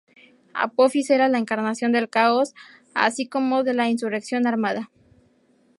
Apofis era la encarnación del caos así como de la insurrección armada.